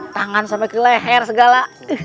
tangan sampai ke leher segala